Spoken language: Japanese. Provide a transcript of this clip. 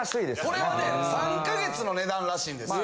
これはね３か月の値段らしいんです。